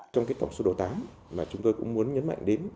trong tổng số đồ tám chúng tôi cũng muốn nhấn mạnh đến